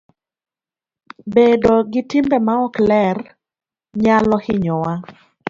Bedo gi timbe maok ler nyalo hinyowa.